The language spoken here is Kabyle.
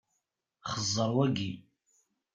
Xeẓẓeṛ wayi.